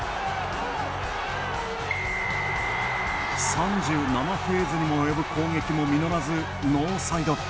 ３７フェーズにも及ぶ攻撃も実らず、ノーサイド。